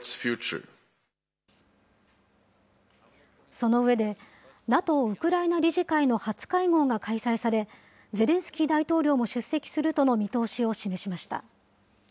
その上で、ＮＡＴＯウクライナ理事会の初会合が開催され、ゼレンスキー大統領も出席するとの見通しを示しました。